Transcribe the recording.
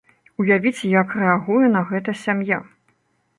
Уявіце, як рэагуе на гэта сям'я.